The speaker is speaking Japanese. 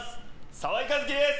澤井一希です！